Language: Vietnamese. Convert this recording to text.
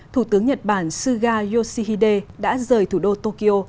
thủ tướng nhật bản suga yoshihide đã rời thủ đô tokyo